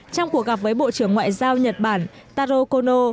trong cuộc gặp với bộ trưởng ngoại giao nhật bản taro kono